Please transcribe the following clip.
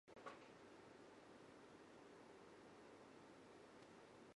私は先生です。